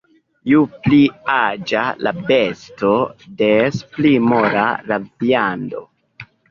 Ju pli aĝa la besto, des pli mola la viando.